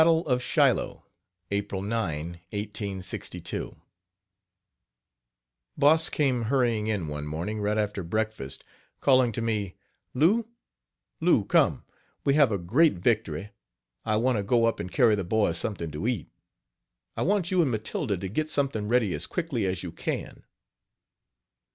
H2> Boss came hurrying in one morning, right after breakfast, calling to me: "Lou, Lou, come; we have a great victory! I want to go up and carry the boys something to eat. I want you and Matilda to get something ready as quickly as you can.